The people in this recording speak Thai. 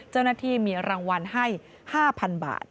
เจ้าหน้าที่มีรางวัลให้๕๐๐๐บาท